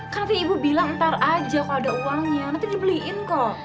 nanti ibu bilang ntar aja kalau ada uangnya nanti dibeliin kok